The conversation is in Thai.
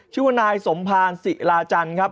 ชื่อว่านายสมพาณศรีราชันครับ